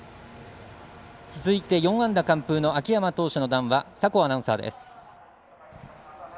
続いて４安打完封の秋山投手の談話酒匂アナウンサーです。